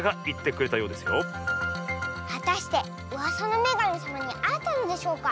はたしてうわさのめがみさまにあえたのでしょうか？